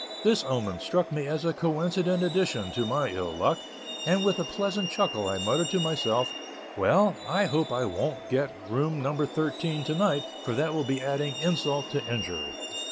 This omen struck me as a coincident addition to my ill luck, and with a pleasant chuckle I muttered to myself, "Well, I hope I wont get room number thirteen to night, for that will be adding insult to injury."